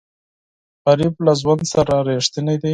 غریب له ژوند سره رښتینی دی